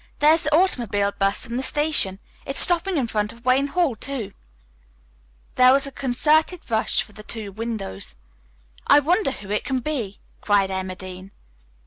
"There's the automobile bus from the station. It's stopping in front of Wayne Hall, too." There was a concerted rush for the two windows. "I wonder who it can be!" cried Emma Dean.